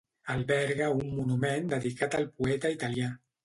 Alberga un monument dedicat al poeta italià.